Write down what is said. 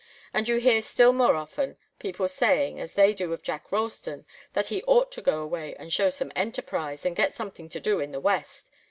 And you hear, still more often, people saying, as they do of Jack Ralston, that he ought to go away, and show some enterprise, and get something to do in the West.